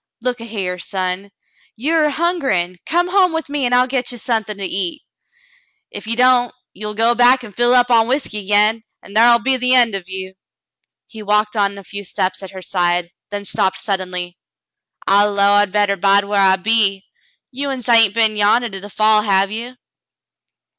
Look a hyar, son, you are hungerin'. Come home with me, an' I'll get ye suthin' to eat. Ef you don't, ye'll go back an' fill up on whiskey agin, an' thar'll be the end of ye." He walked on a few steps at her side, then stopped suddenly. "I 'low I better bide whar I be. You uns hain't been yandah to the fall, have ye